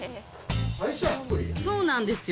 そうなんですよ。